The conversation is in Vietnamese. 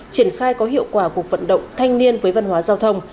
triển khai có hiệu quả cuộc vận động thanh niên với văn hóa giao thông